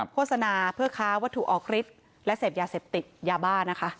โฆษณาเพื่อค้าวัตถุออกฤทธิ์และเสพยาเสพติดยาบ้านะคะ